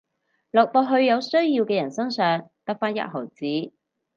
落到去有需要嘅人身上得返一毫子